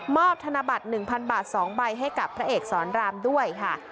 ธนบัตร๑๐๐บาท๒ใบให้กับพระเอกสอนรามด้วยค่ะ